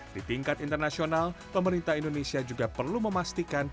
di tingkat internasional pemerintah indonesia juga perlu memastikan